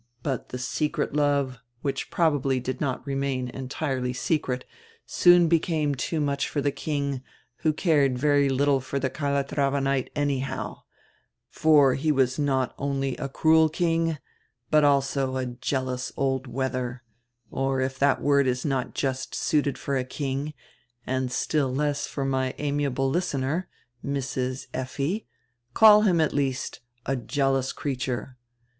But the secret love, which probably did not remain entirely secret, soon became too much for die king, who cared very little for die Cala trava knight anyhow; for he was not only a cruel king, but also a jealous old wether — or, if that word is not just suited for a king, and still less for my amiable listener, Mrs. Effi, call him at least a jealous creature.